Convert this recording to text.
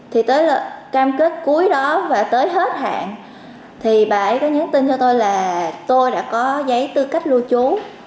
thì tới là cam kết cuối đó và tới hết hạn thì bà ấy có nhắn tin cho tôi là tôi đã có giấy tư cách lưu trú